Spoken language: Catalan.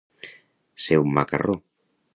Ser un macarró.